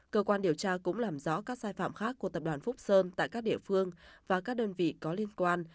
cơ quan điều tra cũng làm rõ các sai phạm khác của tập đoàn phúc sơn tại các địa phương và các đơn vị có liên quan